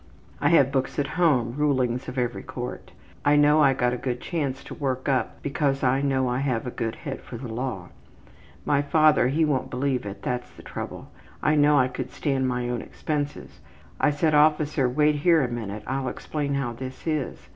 I have books at home, rulings of every court. I know I got a good chance to work up because I know I have a good head for the law. My father he wont believe it, that's the trouble. I know I could stand my own expenses. I said, `Officer, wait here a minute. I'll explain how this is.'